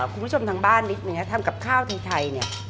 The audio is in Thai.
คุณผู้ชมทางบ้านนิดนึงนะทำกับข้าวไทยเนี่ย